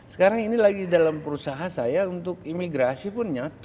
sekarang ini lagi dalam perusahaan saya untuk imigrasi pun nyatu